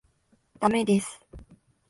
駄目です。